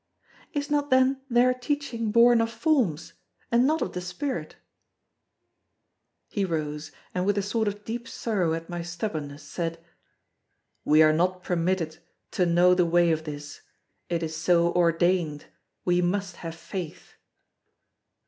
"Is not then their teaching born of forms, and not of the spirit?" He rose; and with a sort of deep sorrow at my stubbornness said: "We are not permitted to know the way of this; it is so ordained; we must have faith."